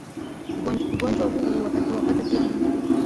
Ugonjwa huu huwapata pia ngombe